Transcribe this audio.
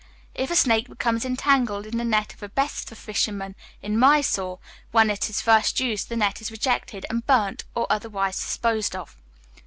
If a snake becomes entangled in the net of a Bestha fisherman in Mysore when it is first used, the net is rejected, and burnt or otherwise disposed of.